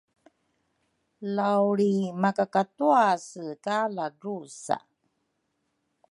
lawlriimakatuase ka ladrusa